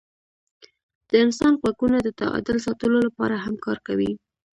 د انسان غوږونه د تعادل ساتلو لپاره هم کار کوي.